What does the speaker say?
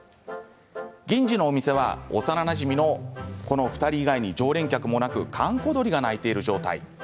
銀次のお店は幼なじみのこの２人以外に常連客がなく閑古鳥が鳴いている状態。